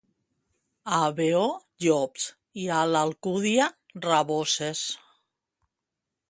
A Veo, llops i a l'Alcúdia, raboses.